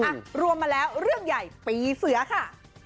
อ่ะรวมมาแล้วเรื่องใหญ่ปีเสือค่ะ